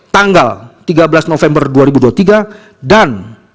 tanggal tiga belas november dua ribu dua puluh tiga dan